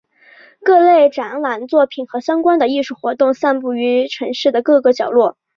各类展览作品和相关的艺术活动散布于城市的各个角落。